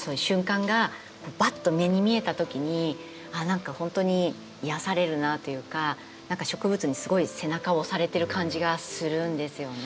がばっと目に見えたときに何か本当に癒やされるなあというか何か植物にすごい背中を押されてる感じがするんですよね。